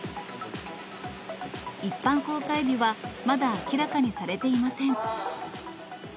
一般公開日はまだ明らかにされていません。